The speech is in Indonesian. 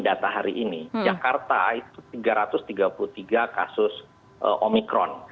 data hari ini jakarta itu tiga ratus tiga puluh tiga kasus omikron